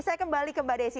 saya kembali ke mbak desi